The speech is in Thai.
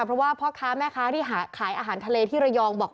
เพราะว่าพ่อค้าแม่ค้าที่ขายอาหารทะเลที่ระยองบอก